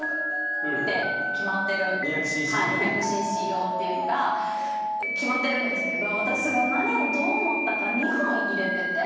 ２００ｃｃ用っていうのが決まってるんですけど私それを何をどう思ったか２本入れてて。